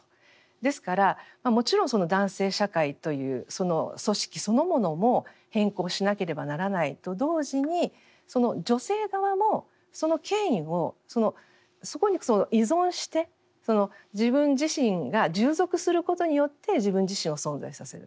ですからもちろん男性社会という組織そのものも変更しなければならないと同時に女性側もその権威をそこに依存して自分自身が従属することによって自分自身を存在させる。